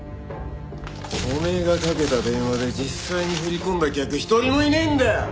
お前がかけた電話で実際に振り込んだ客一人もいねえんだよ！